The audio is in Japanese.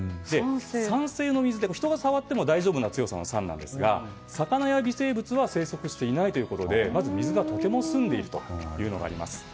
酸性の水で、人が触っても大丈夫な強さなんですが魚や微生物は生息していないということでまず水がとても澄んでいるというのがあります。